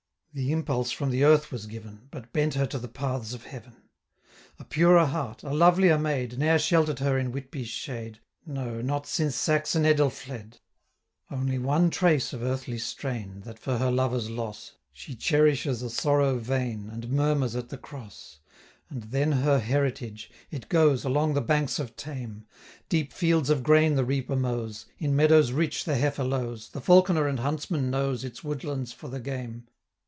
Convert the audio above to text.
The impulse from the earth was given, But bent her to the paths of heaven. A purer heart, a lovelier maid, 625 Ne'er shelter'd her in Whitby's shade, No, not since Saxon Edelfled; Only one trace of earthly strain, That for her lover's loss She cherishes a sorrow vain, 630 And murmurs at the cross. And then her heritage; it goes Along the banks of Tame; Deep fields of grain the reaper mows, In meadows rich the heifer lows, 635 The falconer and huntsman knows Its woodlands for the game.